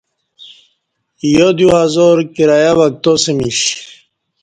یو دیو ہزار کرایہ وکتاسیمش